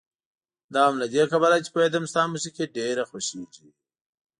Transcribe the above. دا هم له دې کبله چې پوهېدم ستا موسيقي ډېره خوښېږي.